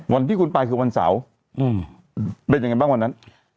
วันที่คุณไปคือวันเสาร์เป็นยังไงบ้างวันนั้น